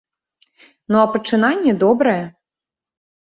Ну а пачынанне добрае.